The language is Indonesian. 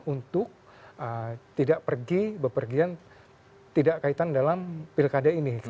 untuk tidak pergi berpergian tidak kaitan dalam pilkade ini